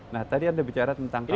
nah tadi anda bicara tentang